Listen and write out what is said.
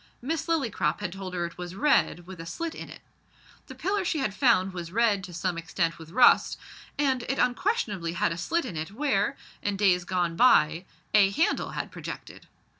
Miss Lillycrop had told her it was red, with a slit in it. The pillar she had found was red to some extent with rust, and it unquestionably had a slit in it where, in days gone by, a handle had projected.